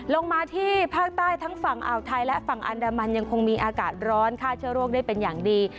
ลงมาที่ภาคใต้ทั้งฝั่งอ่าวไทยและฝั่งอันดามันยังคงมีอากาศร้อนฆ่าเชื้อโรคได้เป็นอย่างดี